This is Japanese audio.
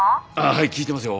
はい聞いてますよ。